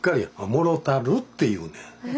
「もろうたる」って言うねん。